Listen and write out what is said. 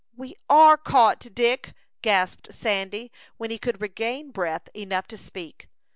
"We are caught, Dick," gasped Sandy, when he could regain breath enough to speak.